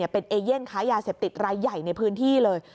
เป็นเอเย่นค้ายาเสพติดรายใหญ่ในพื้นที่เลย